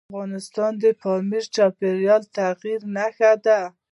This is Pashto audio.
افغانستان کې پامیر د چاپېریال د تغیر نښه ده.